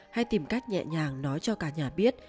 hay tìm cách nhẹ nhàng nói cho cả nhà biết